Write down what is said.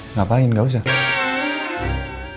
ngapain gak usah